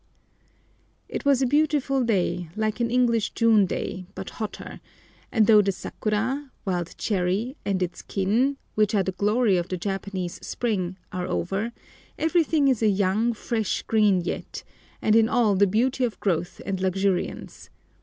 It was a beautiful day, like an English June day, but hotter, and though the Sakura (wild cherry) and its kin, which are the glory of the Japanese spring, are over, everything is a young, fresh green yet, and in all the beauty of growth and luxuriance.